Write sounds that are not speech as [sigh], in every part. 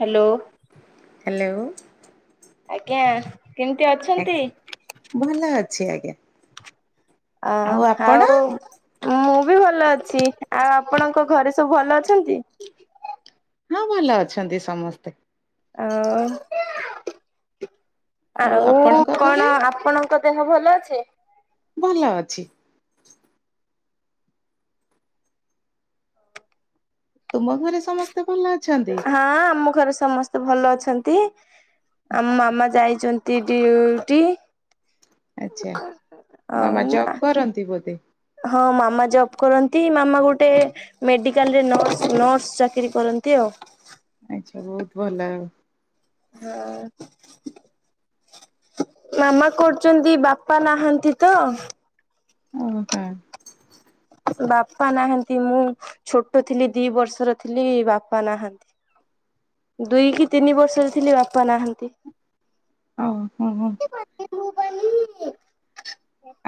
Hello hello. ଆଜ୍ଞା କେମିତି ଅଛନ୍ତି? ଆଜ୍ଞା ଭଲ ଅଛି ଆଜ୍ଞା। ଅ ଆଉ ମୁଁ ବି ଭଲ ଅଛି ଆଉ ଆପଣଙ୍କ ଘରେ ସବୁ ଭଲ ଅଛନ୍ତି? ହଁ ଭଲ ଅଛନ୍ତି ସମସ୍ତେ। ଆଉ ଆଉ ଆପଣଙ୍କ ଘରେ? କଣ ଆପଣଙ୍କ ଦେହ ଭଲ ଅଛି? ଭଲ ଅଛି। ତୁମ ଘରେ ସମସ୍ତେ ଭଲ ଅଛନ୍ତି? ହଁ ଆମ ଘରେ ସମସ୍ତେ ଭଲ ଅଛନ୍ତି। ଆମ ମାମା ଯାଇଚନ୍ତି ଡିଉଟି। ଆଚ୍ଛା। ମାମା ଆଉ ଜବ୍ ଆ, କରନ୍ତି ବୋଧେ? ହଁ ମାମା ଜବ୍ କରନ୍ ତି ମାମା ଗୋଟେ ମେଡିକାଲ୍ ରେ ନର୍ସ ନର୍ସ ଚାକିରି କରନ୍ତି ଆଉ। ଆଚ୍ଛା ବହୁତ ଭଲ। ହଁ। ମାମା କରୁଚନ୍ତି। ବାପା ନାହାନ୍ତି ତ। ଓ ହଁ। ବାପା ନାହାନ୍ତି, ମୁଁ ଛୋଟ ଥିଲି ଦି ବର୍ଷର ଥିଲି ବାପା ନାହାନ୍ତି। ଦୁଇ କି ତିନି ବର୍ଷରେ ଥିଲେ ବାପା ନାହାନ୍ତି। ଓ ହଁ, ହଁ।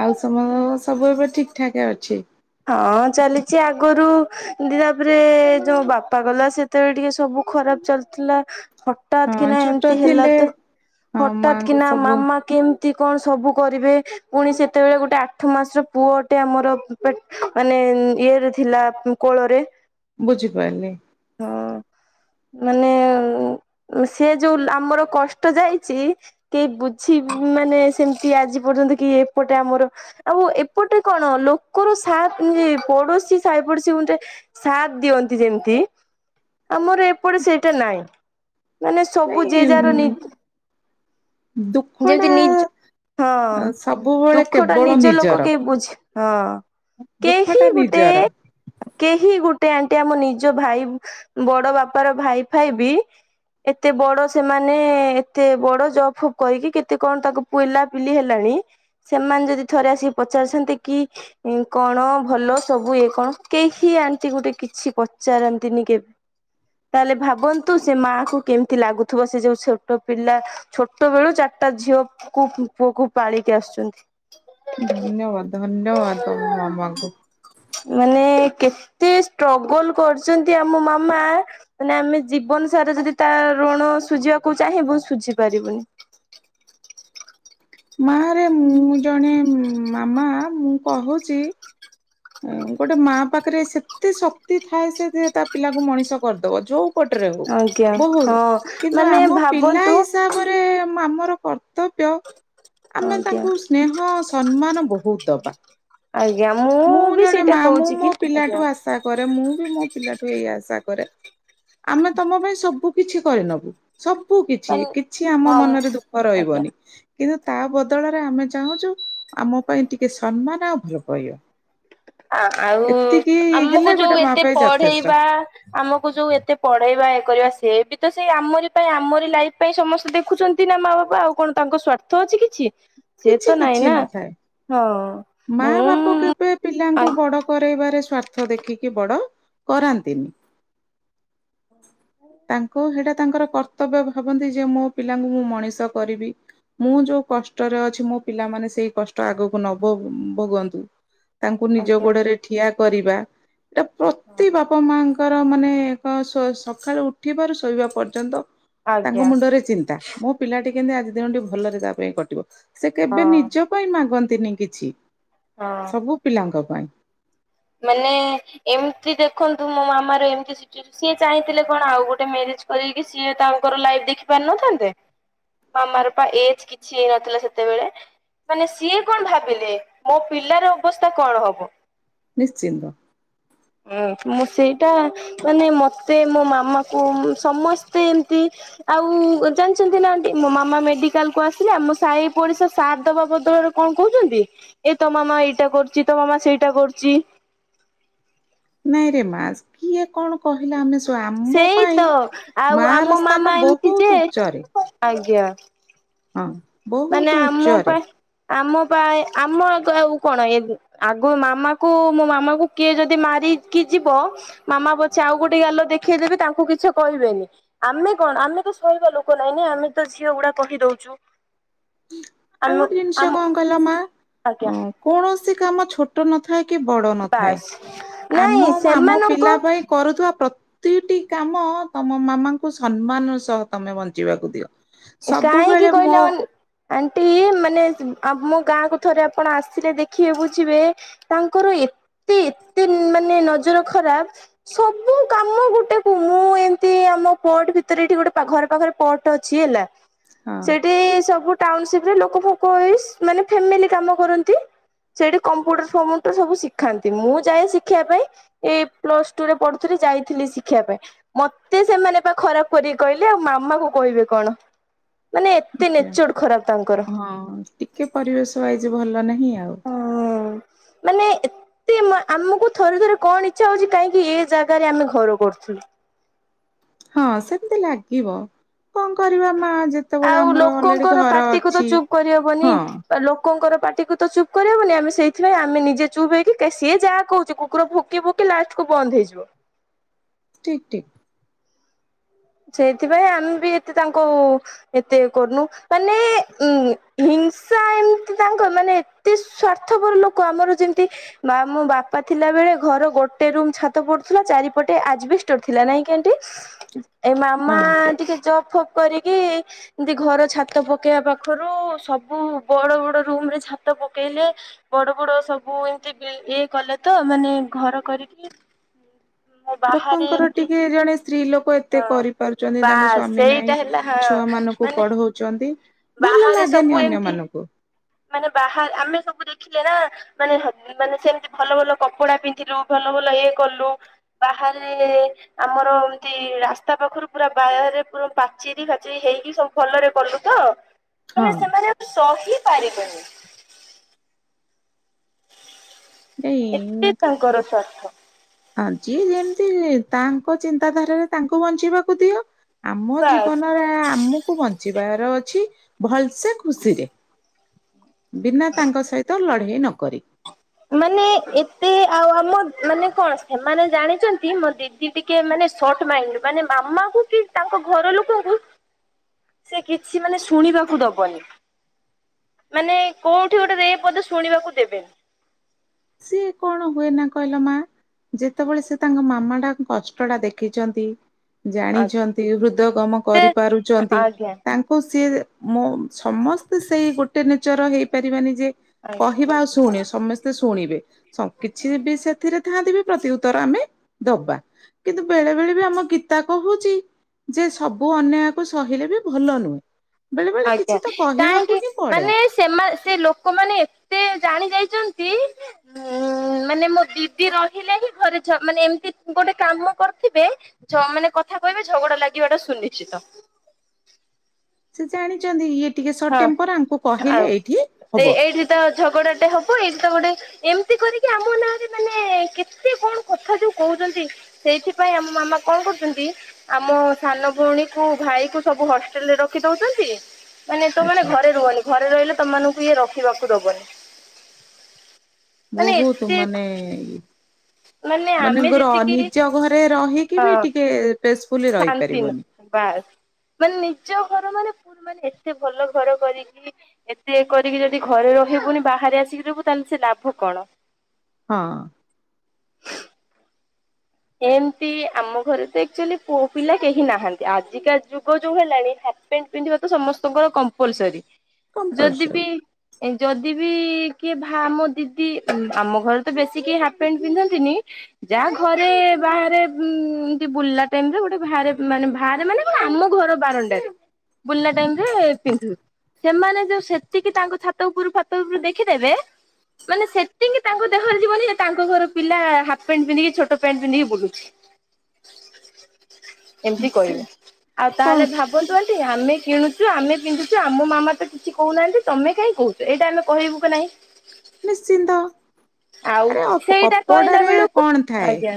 ଆଉ ସମସ୍ତଙ୍କର ସବୁ ଏବେ ଠିକ ଠାକ ଅଛି। ହଁ ଚାଲିଚି ଆଗରୁ ଏମତି ତାପରେ ଯୋଉ ବାପା ଗଲା ସେତେବେଳେ ଟିକେ ସବୁ ଖରାପ ଚାଲିଥିଲା। ହଠାତ୍ ହଁ କିନା ଛୋଟ ଏମତି ହେଲା ଥିଲେ ତ, ହଁ ହଠାତ୍ ମାଙ୍କୁ କିନା ସବୁ ମାମା କେମ କି କଣ ସବୁ କରିବେ। ପୁଣି ସେତେବେଳେ ଗୋଟେ ଆଠ ମାସର ପୁଅଟେ ଆମର ପେଟ୍ ମାନେ ଉଁ ଇଏରେ ଥିଲା ଉଁ, କୋଳରେ। ବୁଝିପାରିଲି। ହଁ, ମାନେ ଉଁ, ଉ, ସିଏ ଯୋଉ ଆମର କଷ୍ଟ ଯାଇଚି, କେଇ ବୁଝି ମାନେ ସେମତି ଆଜି ପର୍ଯ୍ୟନ୍ତ କେ କି ଏପଟେ ଆମର ଆଉ ଏପଟେ କଣ ଲୋକର ସାତ୍ ଇ, ପଡୋଶୀ ସାାଇ ପଡୋଶୀ ଯେ ସାତ୍ ଦିଅନ୍ତି ଯେମିତି ଆମର ଏପଟେ ସେଇଟା ନାଇ। ମାନେ ସବୁ ନାଇଁ ଯିଏ ଯାହାର ନି ଦୁଃଖ ଯେମିତି ଟା ନିଜ ହଁ ସବୁବେଳେ ଦୁଃଖ ଟା କେବଳ ନିଜ ଲୋକ ନିଜର। କେଇ ବୁଝି ହଁ, ଦୁଃଖ କେହି ଟା ଗୋଟେ, ନିଜର କେହି ଗୋଟେ ଆ ଟି ଆମ ନିଜ ଭାଇ ଉଁ ବଡ ବାପାର ଭାଇ ଫାଇ ବି ଏତେ ବଡ ସେମାନେ, ଏତେ ବଡ ଜବ୍ ଫବ୍ କହିକି କେତେ କଣ ତାଙ୍କ ପୁଲା ପିଲି ହେଲାଣି ସେମାନେ ଯଦି ଥରେ ଆସିକି ପଚାରୁଛନ୍ତି କି ଇଁ, କଣ ଭଲ ସବୁ ଇଏ କଣ କେହି ଆଣ୍ଟି ଗୋଟେ କିଛି ପଚାରନ୍ତିନି କେ ତାହେଲେ ଭାବନ୍ତୁ ସେ ମାଆ କୁ କେମିତି ଲାଗୁଥୁବ। ସେ ଯୋଉ ଛୋଟ ପିଲା ଛୋ ଟ ବେେଳୁ ଚାରଟା ଝିଅକୁ ପୁଅକୁ ପାଳିକି ଆସୁଚନ୍ତି। ଧନ୍ୟବାଦ, ଧନ୍ୟବାଦ, ତୋମ ମାମାଙ୍କୁ। ମାନେ କେତେ ଷ୍ଟ୍ରଗଲ୍ କରିଚନ୍ତି ଆମ ମାମା ମାନେ ଆମେ ଜୀବନ ସାରା ଯଦି ତା ଋଣ ସୁଜିବାକୁ ଚାହେଁ ବୁ ସୁଝି ପାରିବୁନି। ମା ରେ ମୁଁ ଜଣେ ମାମା। ମୁଁ କହୁଚି ଏଁ, ଗୋଟେ ମା ପାଖରେ ସେତେ ଶକ୍ତି ଥାଏ ସେ ଯେ ତା ପିଲାକୁ ମଣିଷ କରିଦବ। ଯୋଉ ପଟରେ ହଉ ଆଜ୍ଞା ବହୁତ ହଁ କିନ୍ତୁ ମାନେ ଆମ ପିଲା ଭାବନ୍ତୁ ହିସାବରେ ମା ଆମର ର କର୍ତ୍ତବ୍ୟ ଆମେ ଆଜ୍ଞା ତାଙ୍କୁ ସ୍ନେହ ସମ୍ମାନ ବହୁତ ଦବା। ଆଜ୍ଞା ମୁଁ ବି ଜଣେ ସେଇଟା ମା। ମୁଁ କହୁଛି ମୋ କି ଆଜ୍ଞା ପିଲାଠୁ ଆଶା କରେ, ମୁଁ ବି ମୋ ପିଲାଠୁ ଏଇଆ ଆଶା କରେ। ଆମେ ତୋମ ପାଇଁ ସବୁ କିଛି କରିନବୁ। ସବୁ କିଛି ମାନେ କିଛି ଆମ ହଁ ମନରେ ଦୁଃଖ ଆଜ୍ଞା ରହିବନି। କିନ୍ତୁ ତା ଆଜ୍ଞା ବଦଳରେ ଆମେ ଯୋ ଚାହୁଁଚୁ, ଆମ ପାଇଁ ଟିକେ ସମ୍ମାନ ଆଉ ଭଲ ପାଇବା। ଆ, ଆଉ ଏତିକି ଆମକୁ ହେଲେ ଯୋଉ ଗୋଟେ ମା ଏତେ ପାଇଁ ଯଥେଷ୍ଟ ପଢେଇବା। ଆମକୁ ଯୋଉ ଏତେ ପଢେଇବା ବା ଇଏ କରିବା ସେ ବି ତ ସେଇ ଆମରି ପାଇଁ ଆମରି ଲାଇଫ୍ ପାଇଁ ସମସ୍ତେ ଦେଖୁଛନ୍ତି ନା ମା ବାପା ଆଉ କଣ ତାଙ୍କ ସ୍ଵାର୍ଥ ଅଛି କିଛି। ସିଏ କିଛି ତ ନାଇଁ କିଛି ନା ନଥାଏ। ହଁ। ମା ବାପା ମୁଁ କେବେ ଆ ପିଲାଙ୍କୁ ବଡ କରଇବାରେ ସ୍ଵାର୍ଥ ଦେଖିକି ବଡ କରାନ୍ତିନି। ତାଙ୍କ ସେଟା ତାଙ୍କର କର୍ତ୍ତବ୍ୟ ଭାବନ୍ତି ଯେ ମୋ ପିଲାଙ୍କୁ ମୁଁ ମଣିଷ କରିବି। ମୁଁ ଯୋଉ କଷ୍ଟ ରେ ଅଛି ମୋ ପିଲାମାନେ ସେଇ କଷ୍ଟ ଆଗକୁ ନ ଭୋ ଭୋଗନ୍ତୁ ତାଙ୍କୁ ନିଜ ଆଜ୍ଞା ଗୋଡରେ ଠିଆ କରିବା ଏଇଟା ପ୍ରତି ହଁ ବାପା ମାଙ୍କର ମାନେ ସ ସ ସୋ ସକାଳୁ ଉଠିବାରୁ ଶୋଇବା ପର୍ଯ୍ୟନ୍ତ ତାଙ୍କ ଆଜ୍ଞା ମୁଣ୍ଡରେ ଚିନ୍ତା ମୋ ପିଲାଟି କେମତି ଆଜି ଦିନଟି ଭଲରେ ତା ପାଇଁ କଟିବ? ସେ କେବେ ହଁ ନିଜ ପାଇଁ ମାଗନ୍ତିନି କିଛି ହଁ। ସବୁ ପିଲାଙ୍କ ପାଇଁ। ମାନେ ଏମିତି ଦେଖନ୍ତୁ ମୋ ମାମାର ଏମିତି ସିଚୁଏ ଚାହିଁଥିଲେ କଣ ଆଉ ଗୋଟେ ମ୍ୟା ରେଜ୍ କରେଇକି ତାଙ୍କର ଲାଇଫ୍ ଦେଖି ପାରିନଥାନ୍ତେ? ମାମାରପା ଏଜ କିଛି ହେଇ ନଥିଲା ସେତେବେଳେ? ମାନେ ସିଏ କଣ ଭାବିଲେ ମୋ ପିଲାର ଅବସ୍ଥା କଣ ହବ? ଚିନ୍ତ। ହଁ ମୁଁ ସେଇଟା ମାନେ ମତେ ମୋ ମାମା କୁ ସମସ୍ତେ ଏମତି ଆଉ ଜାଣିଛନ୍ତି ନା ଆଣ୍ଟି ମୋ ମାମା ମେଡିକାଲକୁ ଆସିଲା ଆମ ସାହି ପଡିଶା ସାଥ ଦବା ବଦଳରେ କଣ କହୁଛନ୍ତି ଏ ତ ମାମା ଏଇଟା କରୁଛି ତମ ମାମା ସେଇଟା କରୁଛି ନାଇଁ ରେ ମା କିଏ କଣ କହିଲା ଆମେ ଶୋ ଆମ ସେଇ ପାଇଁ ତ ଆଉ ମାର ଆମ ସ୍ଥାନ ମାମା ଏମିତି ଯେ ବହୁତ ଉଚ୍ଚରେ। ଆଜ୍ଞା। ହଁ। ବହୁତ ମାନେ ଆମ ଉଚ୍ଚରେ ପା ଆମ ପାଇଁ ଆମ ଆଉ କଣ ଏଜ୍ ଆଗ ମାମା କୁ ମୋ ମାମା କୁ କିଏ ଯଦି ମାରି କି କି ଯିବ ମାମା ପଛେ ଆଉ ଗୋଟେ ଗାଲ ଦେଖେଇଦେବେ କାହାକୁ କିଛି କହିବେନି ଆମେ କଣ ଆମେ ତ ସହିବା ଲୋକ ନାଇଁ ନା ଆମେ ତ ଝିଅ ଗୁଡା କହିଦଉଛୁ? ଆଉ ଆମ ଗୋଟେ ଜିନିଷ ଆମ କଣ କଲ ମା ଆଜ୍ଞା ଅ କୌଣସି କାମ ଛୋଟ ନଥାଏ କି ବଡ ନଥାଏ ବାସ୍ ନାଇଁ ଆମ ଆମ ପିଲା ସେମାନଙ୍କ ପାଇଁ କରୁଥିବା ପ୍ରତ୍ ପ୍ରତିଟି କାମ ତମ ମାମା ଙ୍କୁ ସମ୍ମାନ ର ସହ ତମେ ବଞ୍ଚିବାକୁ ଦିଅ। କାହିଁକି ସବୁବେଳେ ମୋ କହିଲା ଅନ୍ ଆଣ୍ଟି ମାନେ ଆ ମୋ ଗାଁକୁ ଥରେ ଆପଣ ଆସିଲେ ଦେଖିବେ ବୁଝିବେ ତାଙ୍କର ଏ ଏ ଏତେ ମାନେ ନଜର ଖରାପ ସବୁ କାମ ଗୁଟେ କ ମୁଁ ଏମିତି ଆମ ପଟ ଭିତରେ ଏଠି ଗୋଟେ ପାଖ ଘର ପାଖରେ ପର୍ଟ ଅଛି ହେଲା ହଁ ସେଠି ସବୁ ଟାଉନସିପ ରେ ଲୋକ ଫୋକ ହେଇ ମାନେ ଫାମିଲି କାମ କରନ୍ତି ସେଇଠି କମ୍ପୁଟର ଫମୁଟର ସବୁ ଶିଖାନ୍ତି ମୁଁ ଯାଏ ଶିଖିବା ପାଇଁ ଏଇ ପ୍ଲସ ଟୁ ରେ ପଢୁଥିଲି? ଯାଇଥିଲି ଶିଖିବା ପାଇଁ ମତେ ସେମାନେ ବା ଖରାପ କରିକି କହିଲେ ଆଉ ମାମା ଙ୍କୁ କହିବେ କଣ? ମାନେ ଏତେ ଆଜ୍ଞା ନେଚର ଖରାପ ତାଙ୍କର। ହଁ ଟିକେ ପରିବେଶ ୱାଇଜ ଭଲ ନାହିଁ। ଆଉ। ମାନେ ଏତେ ମାନେ ଆମକୁ ଥରେ ଥରେ କଣ ଇଛା ହଉଛି କାହିଁକି ଏ ଜାଗାରେ ଆମେ ଘର କରୁଥିଲୁ? ହଁ ସେମିତି ଲାଗିବ। କଣ କରିବା ମା ଯେତେବେଳେ ଆଉ ଆମର ଅଲରେଡି ଲୋକଙ୍କର ଘର ପାାର୍ଟି କୁ ତ ଅଛି ଚୁପ୍ କରିହବନି ହଁ ଲୋକଙ୍କର ପାଟିକୁୁ ତ ଚୁପ୍ କରିହବନି ଆମେ ସେଇଥିାଇଁ ଆମେ ନିଜେ ଚୁପ୍ ହେଇକି ସିଏ ଯାହା କହୁଛି କୁକୁର ଭୋକି ଭୋକି ଲାଷ୍ଟ କୁ ବନ୍ଦ ହେଇଯିବ। ଠିକ୍ ଠିକ୍। ସେଇଥିପାଇଁ ଆମେ ବି ଏତେ ତାଙ୍କୁ ଏତେ କରୁନୁ ମାନେ ଉ ହିଂସା ଏମତି ତାଙ୍କ ମାନେ ଏତେ ସ୍ଵାର୍ଥପର ଲୋକ ଆମର ଯେମତି ମୋ ବାପା ଥିଲେ ଆସିଲା ବେଳେ ଘର ଗୋଟେ ରୁମ୍ ଛାତ ପଡୁଥିଲା ଚାରିପଟେ ଆଜବେଷ୍ଟ ଥିଲା ନାଇଁ କି ଆଣ୍ଟୀ? ଏ ମାମା ହଁ ଟିକେ ଜବ୍ ଫୋକ୍ କରିକି ଏମିତି ଘର ଛାତ ପକେଇବା ପାଖରୁ ସବୁ ବଡ ବଡ ରୁମ ରେ ଛାତ ପକେଇଲେ ବଡ ବଡ ସବୁ ଏମତି ଇଏ କଲେ ତ ମାନେ ଘର କରିକି ମୋ ବାହାରେ ଲୋକଙ୍କର ଏମିତି ଟିକେ ଜଣେ ସ୍ତ୍ରୀ ଲୋକ ଏତେ ଏତେ ହଁ କରିପାରୁଛନ୍ତି ତାଙ୍କ ବାସ୍ ସ୍ଵାମୀ ସେଇଟା ନାଇଁ ହେଲା ହଁ ଛୁଆ ମାନଙ୍କୁ ମାନେ ପଢଉଛନ୍ତି ଭଲ ବାହାରେ ଲାଗେନି ସବୁ ଅନ୍ୟ ଏମତି ମାନଙ୍କୁ ମାନେ ବାହାରେ ଆମେ ସବୁ ଦେଖ ଦେଖିଲେ ନା ମାନେ ମାନେ ସେମିତି ଭଲ ଭଲ କପଡା ପିନ୍ଧିଲୁ ଭଲ ଭଲ ଇଏ କଲୁ ବା ବାହାରେ ଆମର ଏମତି ରାସ୍ତା ପାଖରୁ ପୁରା ବାହାରେ ପୁରା ପାଚେରି ଫାଚେରି ହେଇକି ସବୁ ଭଲରେ କଲୁ ତ ମାନେ ହଁ ସେମାନେ ଶହିପରିବେନି ଏତେ ଏଇ ତାଙ୍କର ସ୍ୱାର୍ଥ ହଁ ଯିଏ ଯେମିତି ତାଙ୍କ ଚିନ୍ତାଧାରାରେ ତାଙ୍କୁ ବଞ୍ଚିବାକୁ ଦିଅ। ଆମ ବାସ୍ ଜୀବନରେ ଆମକୁ ବଞ୍ଚିବାର ଅଛି ଭଲସେ ଖୁସିରେ ବିନା ତାଙ୍କ ସହିତ ଲଢେଇ ନକରି ହଁ। ମାନେ ଏତେ ଆଉ ଆମ ମାନେ କଣ ସେମାନେ ଜାଣିଛନ୍ତି ମୋ ଦିଦି ଟିକେ ମାନେ ଟର୍ଚ୍ଚ ମାଇଲେ ମାନେ ମାମାକୁ କି ତାଙ୍କ ଘର ଲୋକଙ୍କୁ ସେ କିଛି ମାନେ ଶୁଣିବାକୁ ଦବନି। ମାନେ କୋଉଠି ଗୋଟେ ଏ ପଦ ଶୁଣିବାକୁ ଦେବେ ସିଏ କଣ ହୁଏ ନା କହିଲ ମା ଯେତେବେଳେ ସେ ତାଙ୍କ ମାମାଟା କଷ୍ଟ ଟା ଦେଖିଛନ୍ତି। ଜାଣିଛନ୍ତି ହୃଦୟଗମ ସେ କରିପାରୁଛନ୍ତି ଆଜ୍ଞା ତାଙ୍କୁ ସିଏ ମୋ ସମସ୍ତେ ସେଇ ଗୋଟେ ନେଚର ହେଇପାରିବାନି ଯେ ଆଜ୍ଞା କହିବା ଆଉ ଶୁଣେ ସମସ୍ତେ ଶୁଣିବେ କିଛି ବି ସେଥିରେ ଥାନ୍ତିିବି ପ୍ରତି ଉତ୍ତର ଆମେ ଦବା କିନ୍ତୁ ବେଳେ ବେଳେ ବି ଆମ ଗୀତା କହୁଛି ଯେ ସବୁ ଅନ୍ୟାୟକୁ ସହିଲେ ବି ଭଲ ନୁହେଁ। ବେଳେ ବେଳେ ଆଜ୍ଞା କିଛି ତ କହିବାକୁ କାହିଁକି ହିଁ ପଡେ ମାନେ ସେମାନେ ସେ ଲୋକମାନେ ଏତେ ଜାଣି ଯାଇଛନ୍ତି ନ୍ତି ଉଁ ମା ମାନେ ମୋ ଦିଦି ରହିଲେ ହିଁ ଘରେ ଝ ମାନେ ଏମିତି ଗୋଟେ କାମ କରୁଥିବେ ଯ ମାନେ କଥା କହ ଝଗଡା ଲାଗିବା ଟା ସୁନିଶ୍ଚିତ। ସେ ଜାଣିଛନ୍ତି ଇଏ ଟିକେ ସର୍ଟ ହଁ ଟେମ୍ପର ଆଙ୍କୁ କହିଲେ ଆଉ ଏଇଠି ଏ ହବ ଏଇଠି ତ ଝଗଡାଟେ ହବ ଏଇଠି ତ ଗୋଟେ ଏମିତି କରିକି ଆମ ନାଁରେ ମାନେ କେତେ କଣ କଥା ଯୋଉ କହୁଛନ୍ତି ସେଇଥିପାଇଁ ଆମ ମାମା କଣ କରୁଛନ୍ତି ଆମ ସାନ ଭଉଣୀ କ ଭାଇ କ ସବୁ ହଷ୍ଟେଲ ରେ ରଖି ଦଉଛନ୍ତି। ମାନେ ତୋ ମାନେ ଆଚ୍ଛା ଘରେ ରୁହନି। ଘରେ ରହିଲେ ତମ ମାନଙ୍କୁ ଇଏ ରଖିବାକୁ ଦବନି। ମାନେ ବହହୁ ଏତେ ମାନେ ମାନେ ଆମେ ମନେକର ଯେତିକି ନିଜ ଘରେ ରହିକି ବି ଟିକେ ଟେସ୍ ଶାନ୍ତିନ ବାସ୍ ମାନେ ନିଜ ଘର ମାନେ ପ ମାନେ ଏତେ ଭଲ ଘର କରିକି ଏତେ କରିକି ଯଦି ଘରେ ରହିବୁନି ବାହାରେ ଆସିକି ରହିବୁ ସେ ଲାଭ କଣ? ହଁ। ଏମତି ଆମ ଘରେ ତ ଆଚୁଆଲି ପୁଅ ପିଲା କେହି ନାହାନ୍ତି ଆଜିକା ଯୁଗ ଯୋଉ ହେଲାଣି। ପିନ୍ଧିବା ତ ସମସ୍ତଙ୍କର କମ୍ପଲସରୀ ଯଦି ବି କମ୍ପଲସରୀ ଯଦି ବିି କିଏ ଆମ ଦିଦି ଆମ ଘରେ ତ ବେଶୀ କେହି ହାଫ ପ୍ୟାଣ୍ଟ ପିନ୍ଧନ୍ତିନି। ଯାହା ଘ ରେ ବାହାରେ ଏମତି ବୁଲିବା ଟାଇମରେ ଗୋଟେ ବାହାରେ ମାନେ ବାହାରେ ମାନେ କଣ ଆମ ଘର ବାରଣ୍ଡାରେ। ବୁଲିଲା ଟାଇମ୍ ରେ ପିନ୍ଧୁ। ସେମାନେ ଯୋଉ ସେତିକି ତାଙ୍କ ଛାତ ଉପରୁ ଫାତ ଉପରୁ ଦେଖିଦେବେ? ମାନେ ସେତିକି ତାଙ୍କ ଦେହରେ ଯିବନି ଯେ ତାଙ୍କ ଘର ପିଲା ହାଫ ପେଣ୍ଟ ପିନ୍ଧିକି ଛୋଟ ଟ ପ୍ୟାଣ୍ଟ ପିନ୍ଧିକି ବୁଲୁଛି। ଏମିତି ସେ କହିବେ ଆଉ କଣ ତାହେଲେ ଭାବନ୍ତୁ ଆମେ କିଣୁଛୁ ଆମେ ପିନ୍ଧୁଛୁ ଆମ ମାମା ତ କିଛି କହୁନାହାନ୍ତି ତମେ କାହିଁ କହୁଛ ଏଇଟା ଆମେ କହିବୁ କି ନାଇଁ? ନିଶ୍ଚିନ୍ତ ଆରେ ସେଇଟା କହିଲା କପଡ଼ାରେ ବେଳକୁ କଣ ଥାଏ? ଥାଏ ଆଜ୍ଞା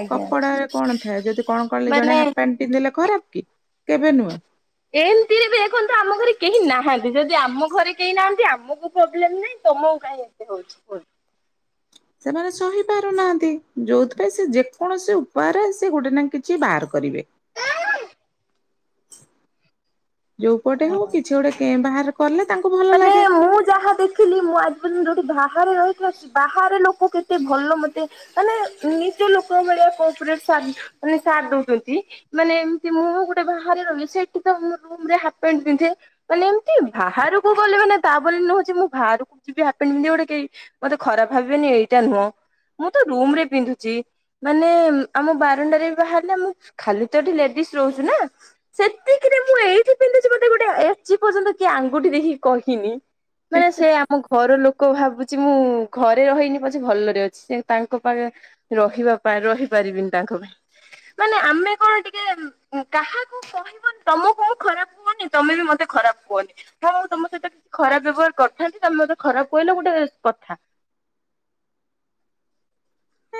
ଆଜ୍ଞା କପଡାରେ କଣ ଥାଏ ଯଦି କଣ କହିଲି ମାନେ ଜଣେ ହାଫ ପ୍ୟାଣ୍ଟ ପିନ୍ଧିଲେ ଖରାପ? କି କେବେ ନୁହେଁ। ଏମିତିରେ ବି ଦେଖନ୍ତୁ ଆମ ଘରେ କେହି ନାହାନ୍ତି ଯଦି ଆମ ଘରେ କେହି ନାହାନ୍ତି ଆମକୁ ପ୍ରୋବ୍ଲେମ ନାହିଁ। ତମକୁ କାଇଁ ଏମିତି ହଉଛି କୁହନ୍ତୁ? ସେମାନେ ସହି ପାରୁନାହାନ୍ତି ଯୋଉଥିପାଇଁ ସେ ଯେକୌଣସି ଉପାୟରେ ସେ ଗୋଟେ ନା କିଛି ବାହାର କରିବେ। ଯୋଉପଟେ ହଉ କିଛି ଗୋଟେ କେଁ ବାହାର କଲେ ତାଙ୍କୁ ଭଲ ମାନେ ଲାଗେ। ମୁଁ ଯାହା ଦେଖିଲି ମୁଁ ଆଜି ପର୍ଯ୍ୟନ୍ତ ଯୋଉଠି ବାହାରେ ରହିଥିବା ବାହାରେ ଲୋକ କେତେ ଭଲ ମତେ ମାନେ ନିଜ ଲୋକ ଭଳିଆ କୋପ୍ରେଟ ସାଥ ମାନେ ସାଥ ଦଉଛନ୍ତି ମାନେ ଏମତି ମୁଁ ଗୋଟେ ବାହାରେ ରହେ ସେଠି ତ ମୁଁ, ରୁମରେ ହାପପ୍ୟାଣ୍ଟ୍ ପିନ୍ଧେ ମାନେ ଏମତି ବାହାରକୁ ଗଲେ ମାନେ ଘରେଉଛି ମୁଁ ବାହାରକୁ ଯିବି ହାପ ପ୍ୟାଣ୍ଟ୍ ପିନ୍ଧିକି ଗୋଟେ କେହି ମତେ ଖରାପ ଭାବିବେନି ଏଇଟା ନୁହଁ। ମୁଁ ତ ରୁମ ରେ ପିନ୍ଧୁଛି ମାନେ ଆମ ବାରଣ୍ଡାରେ ବି ବାହାରିଲେ ମୁଁ ଖାଲି ତ ଏଠି ରେଡି ଶୁଣୁଚି ନାଁ ସେତିକିରେ ମୁଁ ଏଇଠି ପିନ୍ଧୁଛି ମତେ ଗୋଟେ ଆଜି ପର୍ଯ୍ୟନ୍ତ କିଏ ଆଙ୍ଗୁଠି ଦେଖେଇ କହି ହୁଁ ମାନେ ସେ ଆମକୁ ଘର ଲୋକ ଭାବୁଛି ମୁଁ ଘରେ ରହିନି ପଛେ ଭଲରେ ଅଛି ସେ ତାଙ୍କ ପାଖ ରହିବା ପାଇଁ ରହିପାରିବିନି ତାଙ୍କ ପାଇଁ ମାନେ ଆମେ କଣ ଟିକେ କାହାକୁ କହିବନି ତମ କଉ ଖରାପ ହୁବନି ତମେ ବି ମତେ ଖରାପ କୁହନି ଆଉ ତମ ସହିତ କିଛି କ ଖରାପ ବ୍ୟବହାର କରିଥାନ୍ତି ତମେ ମତେ ଖରାପ କହିଲ ଗୋଟେ କଥା।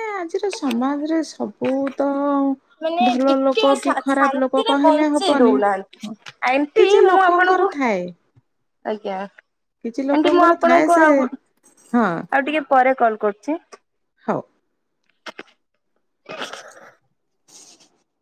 ଏ ଆଜିର ସମାଜରେ ସବୁ ତ ମାନେ ଭଲ ଟିକେ ଲୋକ କି ଖରାପ ଲୋକ ଶାତ-ଶାନ୍ତିରେ କହିଲେ ବଞ୍ଚେଇ ହବନି। ଦଉନାହାନ୍ତି କିଛି ଏମିତି ମୁଁ ଲୋକଙ୍କର ଆପଣଙ୍କୁ ଥାଏ। ଆଜ୍ଞା କିଛି ଆଣ୍ଟି ମୁଁ ଲୋକଙ୍କର ଥାଏ ଆପଣଙ୍କୁ ସେ ଆଉ ଗୋ ହଁ ଆଉ‌ ଟିକେ ପରେ କଲ କରୁଚି। ହଉ। [unintelligible]